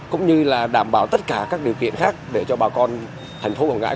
cũng như là đảm bảo tất cả các điều kiện khác để cho bà con thành phố quảng ngãi